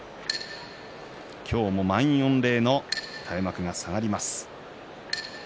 今日も満員御礼の垂れ幕が下がります。